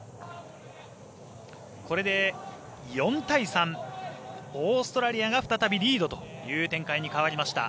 これで４対３オーストラリアが再びリードという展開に変わりました。